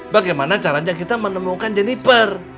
bagaimana caranya kita menemukan jenniper